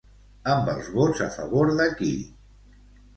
Amb els vots a favor de qui?